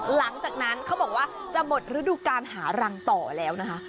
หลังจากนั้นเขาบอกว่าจะหมดฤดูการหารังต่อแล้วนะคะ